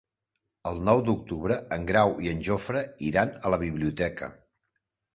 El nou d'octubre en Grau i en Jofre iran a la biblioteca.